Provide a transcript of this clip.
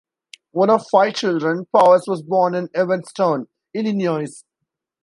One of five children, Powers was born in Evanston, Illinois.